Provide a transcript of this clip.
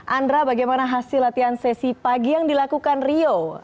andra bagaimana hasil latihan sesi pagi yang dilakukan rio